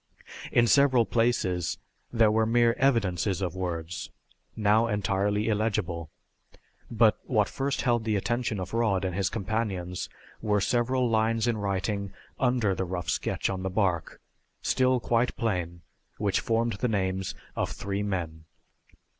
In several places there were mere evidences of words, now entirely illegible. But what first held the attention of Rod and his companions were several lines in writing under the rough sketch on the bark, still quite plain, which formed the names of three men.